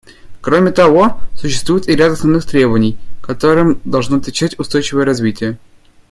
Кроме того, существует и ряд основных требований, которым должно отвечать устойчивое развитие.